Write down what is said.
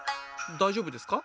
大丈夫ですか？